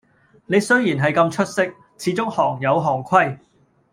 你雖然系咁出色，始終行有行規